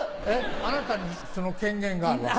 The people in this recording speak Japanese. あなたにその権限があるわけ？